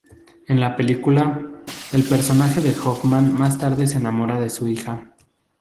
En la película, el personaje de Hoffman más tarde se enamora de su hija.